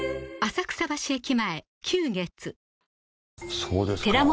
そうですか。